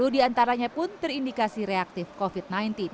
sepuluh di antaranya pun terindikasi reaktif covid sembilan belas